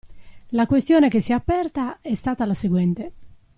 La questione che si è aperta è stata la seguente.